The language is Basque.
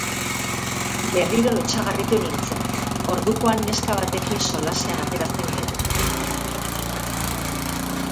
Berriro lotsagorritu nintzen, ordukoan neska batekin solasean atera zen gelatik.